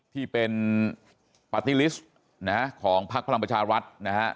ที่เป็นฟาร์ตติีลิสต์ของฟลังประชารัฐนะฮะ